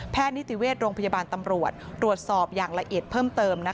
นิติเวชโรงพยาบาลตำรวจตรวจสอบอย่างละเอียดเพิ่มเติม